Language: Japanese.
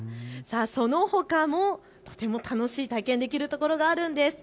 そのほかもとても楽しい体験をできるところがあるんです。